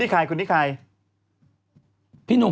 นี่ใครคนนี้ใคร